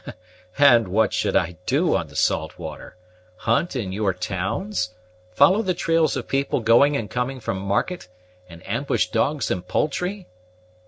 "And what should I do on the salt water? Hunt in your towns? Follow the trails of people going and coming from market, and ambush dogs and poultry?